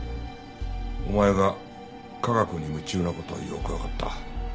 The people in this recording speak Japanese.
お前が科学に夢中な事はよくわかった。